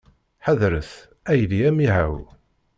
Ḥadret, aydi amihaw!